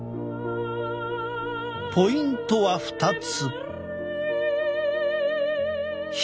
ポイントは２つ。